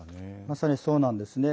まさにそうなんですね。